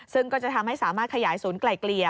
ซึ่งก็จะทำให้สามารถขยายศูนย์ไกล่เกลี่ย